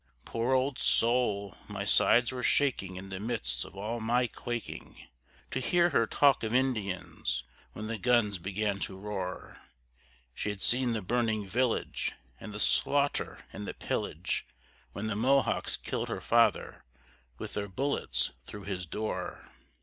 Poor old soul! my sides were shaking in the midst of all my quaking, To hear her talk of Indians when the guns began to roar: She had seen the burning village, and the slaughter and the pillage, When the Mohawks killed her father with their bullets through his door.